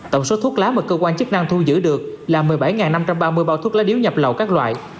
tổng số thuốc lá mà cơ quan chức năng thu giữ được là một mươi bảy năm trăm ba mươi bao thuốc lá điếu nhập lậu các loại